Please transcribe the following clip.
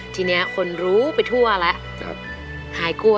ทีนี้คนรู้ไปทั่วแล้ว